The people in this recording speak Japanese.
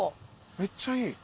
めっちゃいい。